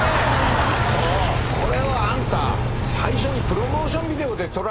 これをあんた最初に。